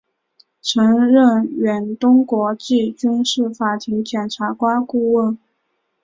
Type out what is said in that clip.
曾任远东国际军事法庭检察官顾问。